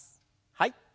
はい。